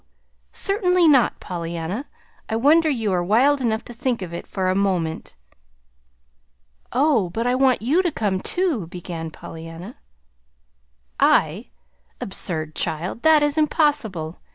Certainly not, Pollyanna! I wonder you are wild enough to think of it for a moment." "Oh, but I want you to come, too," began Pollyanna. "I? Absurd, child! That is impossible.